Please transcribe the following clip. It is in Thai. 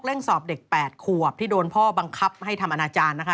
สอบเด็ก๘ขวบที่โดนพ่อบังคับให้ทำอนาจารย์นะคะ